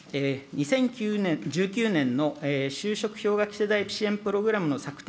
２０１９年の就職氷河期世代支援プログラムの策定